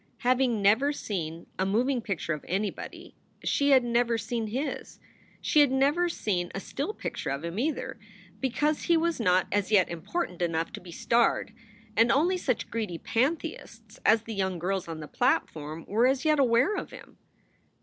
Having never seen a moving picture of anybody, she had never seen his. She had never seen a still picture of him, either, because he was not as yet important enough to be starred, and only such greedy pantheists as the young girls on the platform were as yet aware of him.